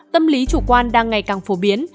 tâm lý chủ quan đang ngày càng phổ biến